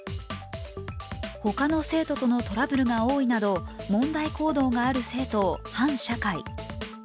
他の生徒とのトラブルが多いなど問題行動がある生徒を反社会。